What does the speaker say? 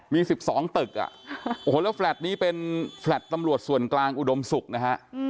มี๑๒ตึกอ่ะโอ้โหแล้วแลต์นี้เป็นแฟลต์ตำรวจส่วนกลางอุดมศุกร์นะฮะ